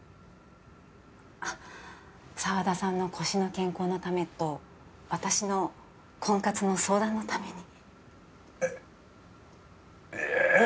あっ沢田さんの腰の健康のためと私の婚活の相談のためにえっええ